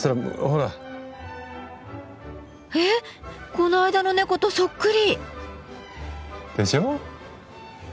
この間の猫とそっくり！でしょう？